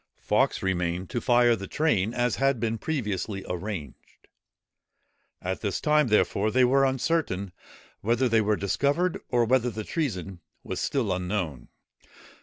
Fawkes remained to fire the train, as had been previously arranged. At this time, therefore, they were uncertain whether they were discovered, or whether the treason was still unknown.